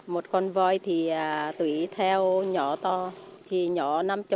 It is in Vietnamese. một con voi thì tùy theo nhỏ to thì nhỏ năm mươi còn to thì bảy mươi tám mươi ạ